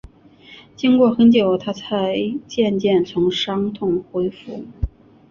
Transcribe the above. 经过很久，她才渐渐从伤痛恢复